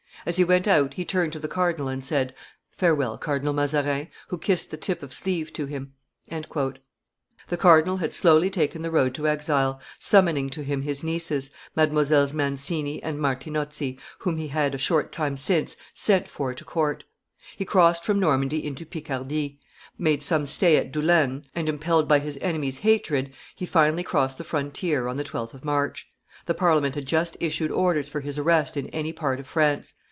As he went out he turned to the cardinal and said, 'Farewell, Cardinal Mazarin,' who kissed 'the tip of sleeve' to him." The cardinal had slowly taken the road to exile, summoning to him his nieces, Mdlles. Mancini and Martinozzi, whom he had, a short time since, sent for to court; he crossed from Normandy into Picardy, made some stay at Doullens, and, impelled by his enemies' hatred, he finally crossed the frontier on the 12th of March. The Parliament had just issued orders for his arrest in any part of France.